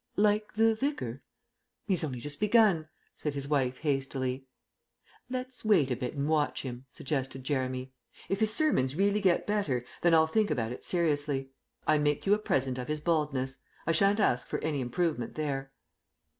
"Like the Vicar?" "He's only just begun," said his wife hastily. "Let's wait a bit and watch him," suggested Jeremy. "If his sermons really get better, then I'll think about it seriously. I make you a present of his baldness; I shan't ask for any improvement there."